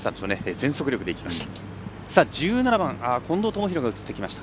全速力でいってました。